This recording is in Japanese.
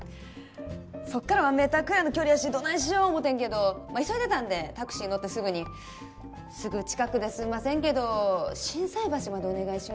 そっからワンメーターくらいの距離やしどないしよう思うてんけどまあ急いでたんでタクシー乗ってすぐに「すぐ近くですんませんけど心斎橋までお願いします」